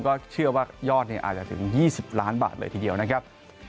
ก็เชื่อว่ายอดอาจจะถึง๒๐ล้านบาทเลยทีเดียวนะครับ